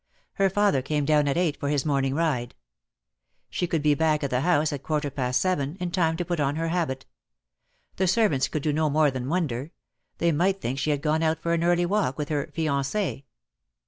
Her father came down at eight for his morning ride. She could be back at the house at a quarter past seven, in time to put on her habit. The servants could do no more than wonder. They might think she had gone out for an early walk wdth her fiance.